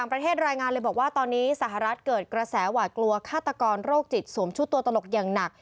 ประเทศรายงานเลยบอกว่าตอนนี้สหรัฐเกิดกระแสหวาดกลัวฆาตกรโรคจิตสวมชุดตัวตลกอย่างหนัก